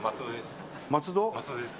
松戸です。